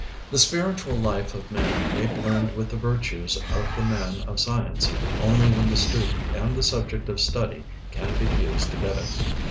The spiritual life of man may blend with the virtues of the man of science only when the student and the subject of study can be fused together.